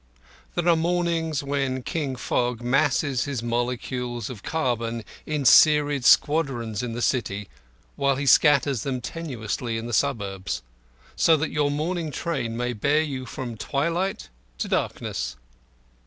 There are mornings when King Fog masses his molecules of carbon in serried squadrons in the city, while he scatters them tenuously in the suburbs; so that your morning train may bear you from twilight to darkness.